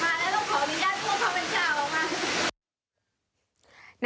ถ้าเกิดว่าฝนตกที่ไหนจะพลิกกลับมาแล้วเราขออนุญาตพวกเขาเป็นชาวค่ะ